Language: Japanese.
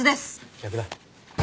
逆だ。